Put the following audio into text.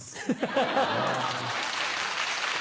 ハハハ！